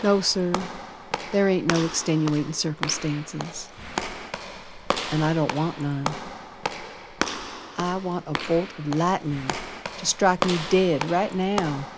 No, Sir, ther ain't no extenuatin' circumstances, An' I don't want none. I want a bolt o' lightnin' To strike me dead right now!